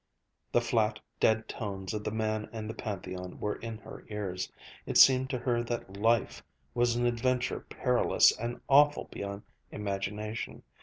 The flat, dead tones of the man in the Pantheon were in her ears. It seemed to her that Life was an adventure perilous and awful beyond imagination.